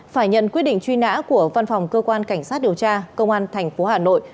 phải nhận quyết định truy nã của văn phòng cơ quan cảnh sát điều tra công an tp hà nội